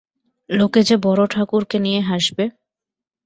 লোকে যে বড়োঠাকুরকে নিয়ে হাসবে।